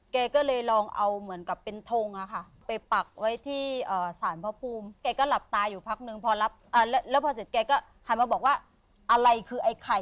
แกก็เลยลองเอาเหมือนกับเป็นทงไปปักไว้ที่สารพระภูมิแกก็หลับตาอยู่พักนึงพอรับแล้วพอเสร็จแกก็หันมาบอกว่าอะไรคือไอ้ไข่